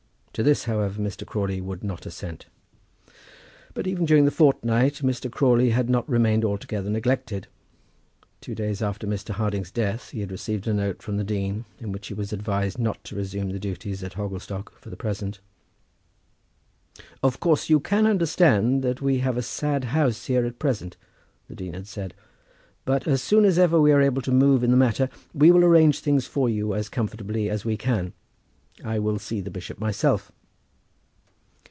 To this, however, Mr. Crawley would not assent. But even during the fortnight Mr. Crawley had not remained altogether neglected. Two days after Mr. Harding's death he had received a note from the dean in which he was advised not to resume the duties at Hogglestock for the present. "Of course you can understand that we have a sad house here at present," the dean had said. "But as soon as ever we are able to move in the matter we will arrange things for you as comfortably as we can. I will see the bishop myself."